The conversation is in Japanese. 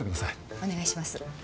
お願いします。